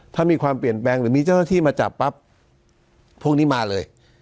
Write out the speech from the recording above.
ถ้ามีความเปลี่ยนแปลงหรือมีเจ้าหน้าที่มาจับปั๊บพวกนี้มาเลย